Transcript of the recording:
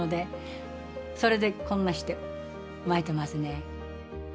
それでこんなして巻いてますね。